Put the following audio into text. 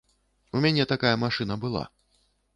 У мяне такая машына была.